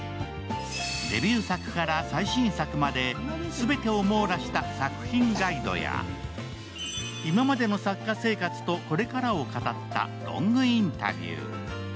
デビュー作から最新作まで全てを網羅した作品ガイドや今までの作家生活とこれからを語ったロングインタビュー。